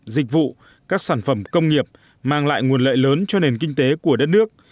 dịch vụ các sản phẩm công nghiệp mang lại nguồn lợi lớn cho nền kinh tế của đất nước